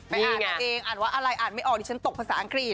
อ่านกันเองอ่านว่าอะไรอ่านไม่ออกดิฉันตกภาษาอังกฤษ